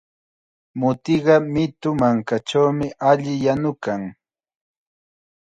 Mutiqa mitu mankachawmi alli yanukan.